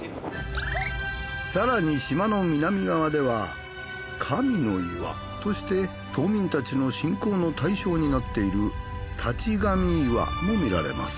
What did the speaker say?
更に島の南側では神の岩として島民たちの信仰の対象になっている立神岩も見られます。